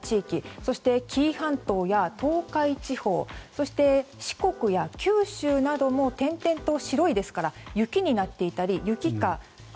更には紀伊半島や東海地方そして、四国や九州なども点々と白いですから雪になっていたり雪か雨。